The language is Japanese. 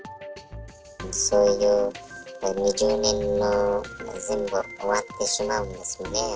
そういう２０年が、全部終わってしまうんですね。